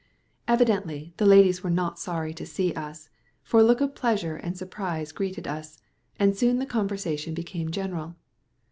Evidently the ladies were not sorry to see us, for a look of pleasure and surprise greeted us, and soon the conversation became general.